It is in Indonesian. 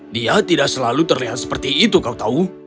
dia tidak selalu terlihat seperti itu kau tahu